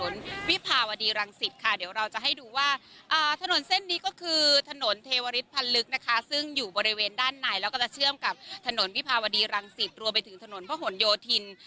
แล้วก็จะเชื่อมกับถนนวิภาวดีรังศิษย์รวมไปถึงถนนพระหลโยธิน